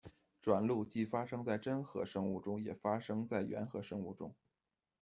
转录既发生在真核生物中，也发生在原核生物中。